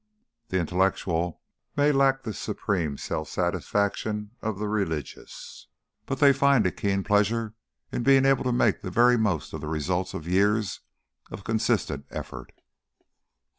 The intellectual may lack the supreme self satisfaction of the religious, but they find a keen pleasure in being able to make the very most of the results of years of consistent effort.